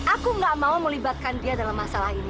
aku gak mau melibatkan dia dalam masalah ini